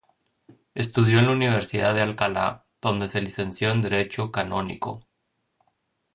Estudió en la universidad de Alcalá, donde se licenció en derecho canónico.